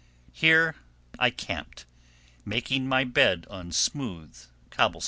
Here I camped, making my bed on smooth cobblestones.